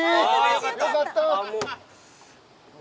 よかった！